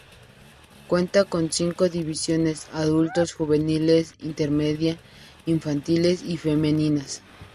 Cuenta con cinco divisiones: adultos, juveniles, intermedia, infantiles y femeninas.